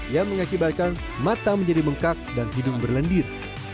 yang mengakibatkan mata menjadi bengkak dan hidung berlendir